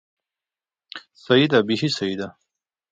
سيي ده، بېخي سيي ده!